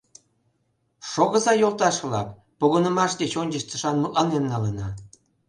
Шогыза, йолташ-влак, погынымаш деч ончыч тышан мутланен налына.